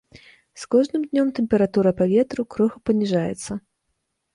З кожным днём тэмпература паветра крыху паніжаецца.